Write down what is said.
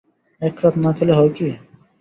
এক রাত না খেলে হয় কী?